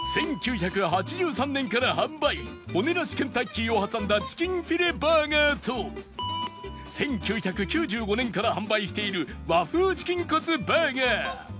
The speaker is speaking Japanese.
１９８３年から販売骨なしケンタッキーを挟んだチキンフィレバーガーと１９９５年から販売している和風チキンカツバーガー